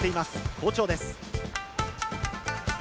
好調です。